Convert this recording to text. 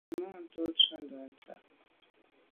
Nzwimàntô tsho’te ntsha.